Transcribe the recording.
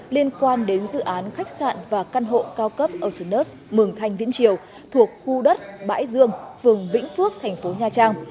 liên quan đến dự án khách sạn và căn hộ cao cấp ocean earth mường thanh viễn triều thuộc khu đất bãi dương phường vĩnh phước thành phố nha trang